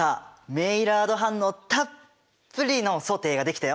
メイラード反応たっぷりのソテーが出来たよ。